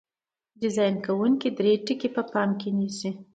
ډیزاین کوونکي درې ټکي په پام کې نیسي.